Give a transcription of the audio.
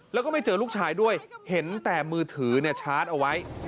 แล้วก็ไม่เจอลูกชายด้วยเห็นแต่มือถือชาร์จเอาไว้